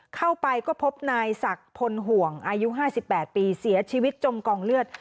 เข้าไปก็พบนายศักดิ์พลห่วงอายุ๕๘ปีเสียชีวิตจมกองเลือด